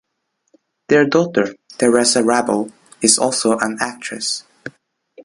Their daughter, Teresa Rabal, is also an actress.